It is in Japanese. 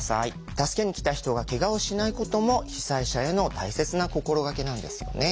助けに来た人がけがをしないことも被災者への大切な心がけなんですよね。